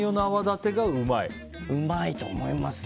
うまいと思いますね。